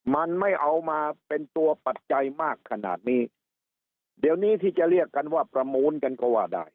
มันไม่เอามาเป็นตัวปัจจัยมากขนาดนี้เดี๋ยวนี้ที่จะเรียกกันว่าประมูลกันก็ว่าได้